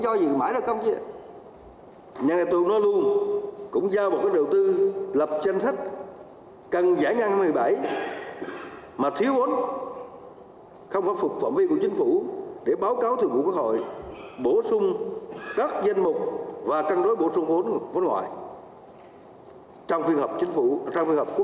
bổ sung các danh mục và căn đối bổ sung vốn ngoại trong phiên hợp quốc hội sớm nhất